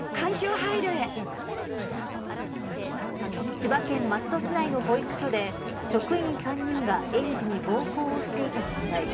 千葉県松戸市内の保育所で職員３人が園児に暴行をしていた問題。